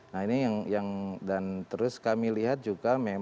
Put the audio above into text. nah ini yang dan terus kami lihat juga memang ya itu terlihat